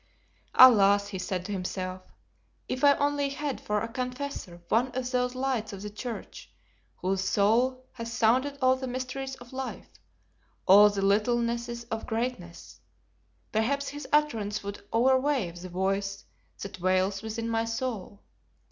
"Alas!" he said to himself, "if I only had for a confessor one of those lights of the church, whose soul has sounded all the mysteries of life, all the littlenesses of greatness, perhaps his utterance would overawe the voice that wails within my soul.